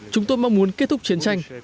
chúng tôi mong muốn kết thúc chiến tranh